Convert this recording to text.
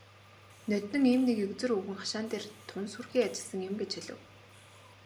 "Ноднин ийм нэг егзөр өвгөн хашаан дээр тун сүрхий ажилласан юм" гэж хэлэв.